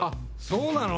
そうなの？